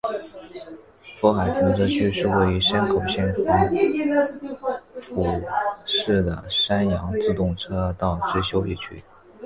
富海停车区是位于山口县防府市的山阳自动车道之休息区。